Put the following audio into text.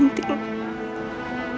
untuk menutupi kenyataan soal anting